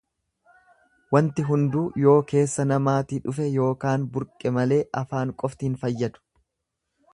Wanti hunduu yoo keessa namaatii dhufe yookaan burqe malee afaan qofti hin fayyadu.